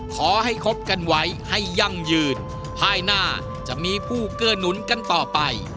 ขอให้คบกันไว้ให้ยั่งยืนภายหน้าจะมีผู้เกื้อหนุนกันต่อไป